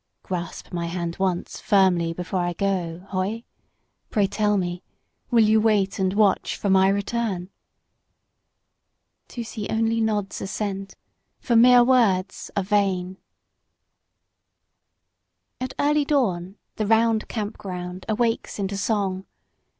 "Grasp my hand once firmly before I go, Hoye. Pray tell me, will you wait and watch for my return?" Tusee only nods assent, for mere words are vain. At early dawn the round camp ground awakes into song.